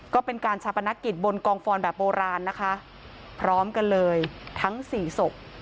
ก็เป็นการชาปนกิจบนกองฟอนแบบโบราณนะคะพร้อมกันเลยทั้งสี่ศพ